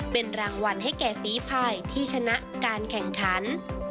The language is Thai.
เป็นรางวัลให้แก่ฝีภายที่ชนะการแข่งขัน